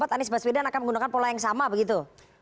anies baswedan akan menggunakan pola yang sama begitu